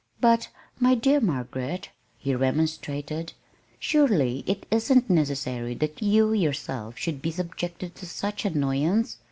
"But, my dear Margaret," he remonstrated, "surely it isn't necessary that you yourself should be subjected to such annoyance.